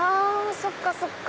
そっかそっか！